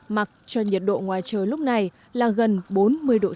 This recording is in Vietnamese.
mặc cho nhiệt độ ngoài trời lúc này là gần bốn mươi độ c